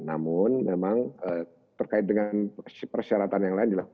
namun memang terkait dengan persyaratan yang lain